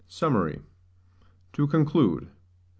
Summary. To conclude.